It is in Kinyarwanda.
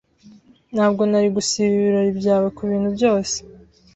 Ntabwo nari gusiba ibirori byawe kubintu byose.